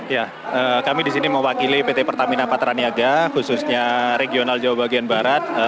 ya kami disini mewakili pt pertamina patra niaga khususnya regional jawa bagian barat